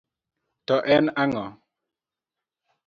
To en ang'o?